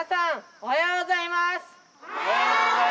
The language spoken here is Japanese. おはようございます。